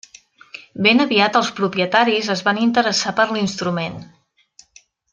Ben aviat els propietaris, es van interessar per l'instrument.